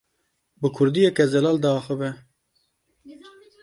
Bi kurdiyeke zelal diaxive.